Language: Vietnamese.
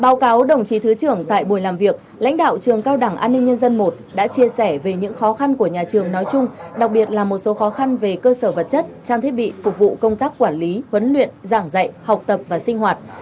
báo cáo đồng chí thứ trưởng tại buổi làm việc lãnh đạo trường cao đẳng an ninh nhân dân i đã chia sẻ về những khó khăn của nhà trường nói chung đặc biệt là một số khó khăn về cơ sở vật chất trang thiết bị phục vụ công tác quản lý huấn luyện giảng dạy học tập và sinh hoạt